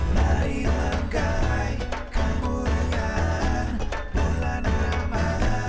marilah gapai kemuliaan bulan ramadhan